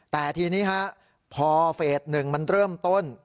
แต่ทีนี้ฮะพอเฟส๑มันเริ่มต้น